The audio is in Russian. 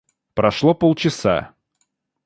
Прошло полчаса.